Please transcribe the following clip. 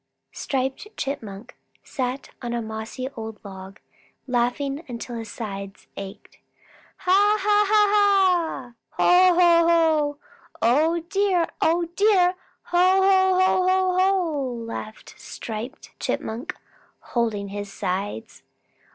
_ Striped Chipmunk sat on a mossy old log, laughing until his sides ached. "Ha, ha, ha! Ho, ho, ho! Oh, dear! Oh, dear! Ho, ho, ho, ho, ho!" laughed Striped Chipmunk, holding his sides.